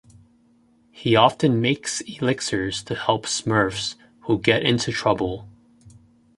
He often makes elixirs to help Smurfs who get into trouble.